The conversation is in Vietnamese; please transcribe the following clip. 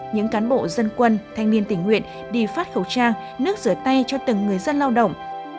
những cán bộ dân quân thanh niên tình nguyện đi phát khẩu trang nước rửa tay cho từng người dân lao động